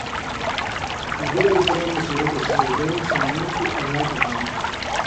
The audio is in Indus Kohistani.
نبی علیہ السلامے سورتِ سجدَیں ساموٹھیۡ اَیاتہ بانیۡ